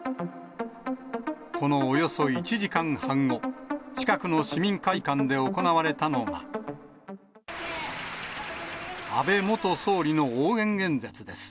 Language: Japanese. このおよそ１時間半後、近くの市民会館で行われたのが、安倍元総理の応援演説です。